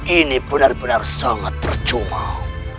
ini benar benar sangat percual